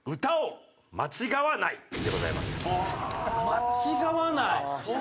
間違わない。